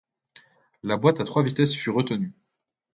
La boite à trois vitesses fut retenue.